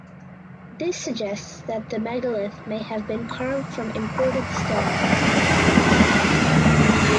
This suggests that the megalith may have been carved from imported stone.